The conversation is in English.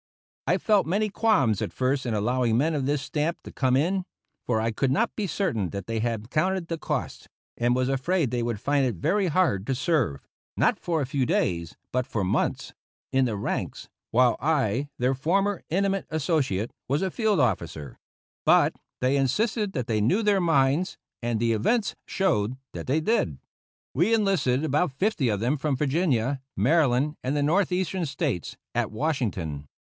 I felt many qualms at first in allowing men of this stamp to come in, for I could not be certain that they had counted the cost, and was afraid they would find it very hard to serve not for a few days, but for months in the ranks, while I, their former intimate associate, was a field officer; but they insisted that they knew their minds, and the events showed that they did. We enlisted about fifty of them from Virginia, Maryland, and the Northeastern States, at Washington.